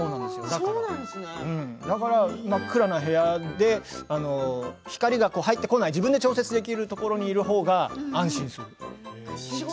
真っ暗な部屋で光が入ってこない自分で調節できるところにいるほうが安心する。